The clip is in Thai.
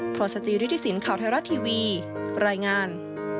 พศจริษฐศิลป์ข่าวไทยรัฐทีวีรายงาน